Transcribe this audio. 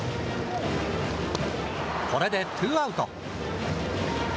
これで２アウト。